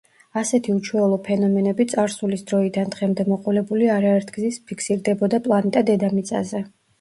ასეთი უჩვეულო ფენომენები წარსულის დროიდან დღემდე მოყოლებული არაერთგზის ფიქსირდებოდა პლანეტა დედამიწაზე.